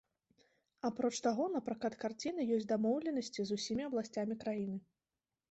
Апроч таго на пракат карціны ёсць дамоўленасці з усімі абласцямі краіны.